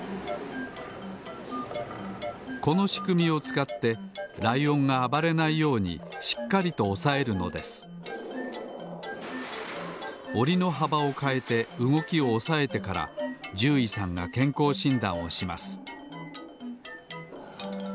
このしくみをつかってライオンがあばれないようにしっかりとおさえるのですおりのはばをかえてうごきをおさえてからじゅういさんがけんこうしんだんをします